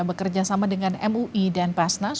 bekerjasama dengan mui dan basnas